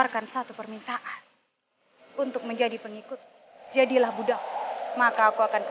kalau begitu ayo kita masuk pak lastri